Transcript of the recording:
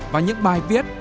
và những bài viết